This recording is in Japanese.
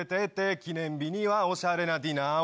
記念日にはおしゃれなディナーを。